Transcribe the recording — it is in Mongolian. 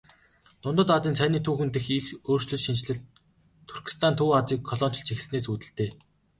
Дундад Азийн цайны түүхэн дэх их өөрчлөн шинэчлэлт Туркестан Төв Азийг колоничилж эхэлснээс үүдэлтэй.